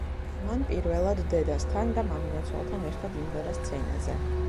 მან პირველად დედასთან და მამინაცვალთან ერთად იმღერა სცენაზე.